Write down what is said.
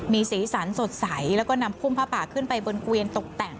มีสีสันสดใสแล้วก็นำพุ่มผ้าป่าขึ้นไปบนเกวียนตกแต่ง